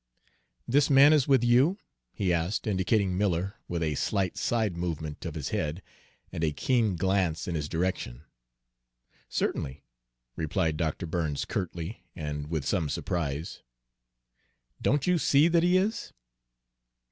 "This man is with you?" he asked, indicating Miller with a slight side movement of his head, and a keen glance in his direction. "Certainly," replied Dr. Burns curtly, and with some surprise. "Don't you see that he is?"